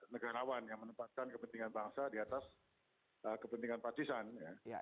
negarawan yang menempatkan kepentingan bangsa di atas kepentingan partisannya